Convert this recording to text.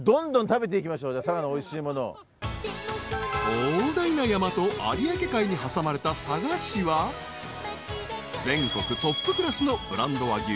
［広大な山と有明海に挟まれた佐賀市は全国トップクラスのブランド和牛